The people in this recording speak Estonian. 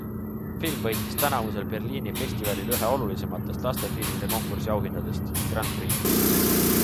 Film võitis tänavusel Berliini festivalil ühe olulisematest lastefilmide konkursi auhindadest - grand prix.